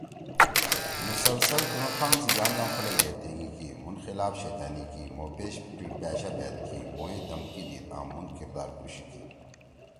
مسلسل تُنُو کھام سی یام یام خلگے تینگی کی، مُھن خلاف شیطأنی کی، مھو پیش پیِڑپأشا بأت کی، مھوئے دھکمی دیِد آں مُھن کردار کُشی کی۔